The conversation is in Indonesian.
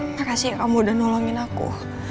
makasih kamu udah nolongin aku